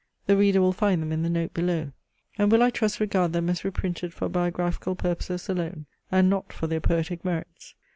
The reader will find them in the note below, and will I trust regard them as reprinted for biographical purposes alone, and not for their poetic merits.